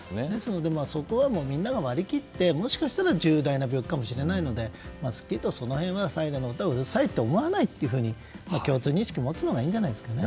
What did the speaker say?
そこはみんなが割り切ってもしかしたら重大な病気かもしれないのでそこは、その辺はサイレンの音はうるさいって思わないって共通認識を持つのがいいんじゃないですかね。